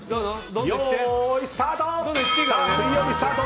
よーい、スタート！